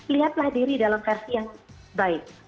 lihatlah diri dalam versi yang baik